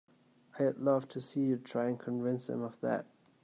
I'd love to see you try and convince them of that!